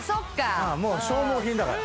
もう消耗品だから。